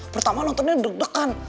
pertama nontonnya deg degan